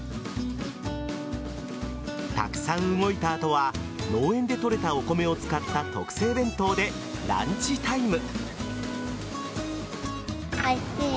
たくさん動いた後は農園で取れたお米を使った特製弁当でランチタイム。